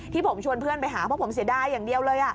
ที่ผมชวนเพื่อนไปหาเพราะผมเสียดายอย่างเดียวเลย